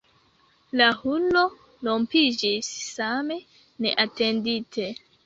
La hurlo rompiĝis same neatendite.